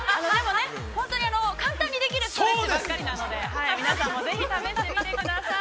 ◆本当にあのー、簡単にできるストレッチばかりなので、皆さんもぜひ試してみてください。